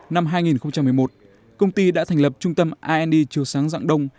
năm hai nghìn một mươi một công ty đã thành lập trung tâm ind chiều sáng dạng đông